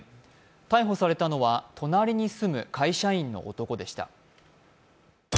逮捕されたのは隣に住む会社員の男でした。